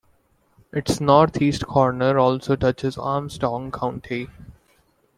Its northeast corner also touches Armstrong County.